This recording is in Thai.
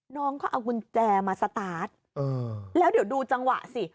น้องก็เอากุญแจมาสตาร์ทแล้วเดี๋ยวดูจังหวะสิ